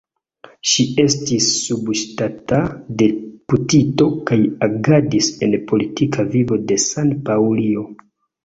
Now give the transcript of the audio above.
Ŝi estis subŝtata deputito kaj agadis en politika vivo de San-Paŭlio.